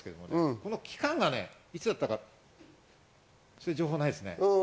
この期間がいつだったか情報はないですね。